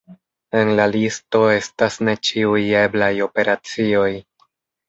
En la listo estas ne ĉiuj eblaj operacioj.